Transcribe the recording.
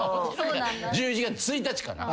１１月１日かな。